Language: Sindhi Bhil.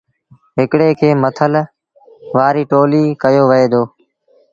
هڪڙيٚ کي مٿل وآريٚ ٽوليٚ ڪهيو وهي دو۔